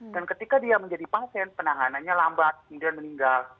dan ketika dia menjadi pasien penahanannya lambat kemudian meninggal